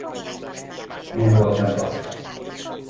Milyen volt Nebraska?